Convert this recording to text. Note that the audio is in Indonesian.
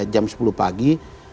jam sepuluh pagi